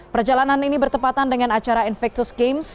perjalanan ini bertepatan dengan acara infectus games